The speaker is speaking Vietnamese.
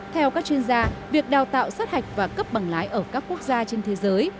theo các chuyên gia việc đào tạo sát hạch và cấp bằng lái ở các quốc gia trên thế giới